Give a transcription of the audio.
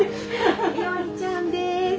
いおりちゃんです。